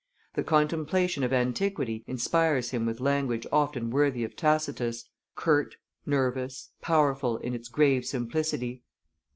The contemplation of antiquity inspires him with language often worthy of Tacitus, curt, nervous, powerful in its grave simplicity.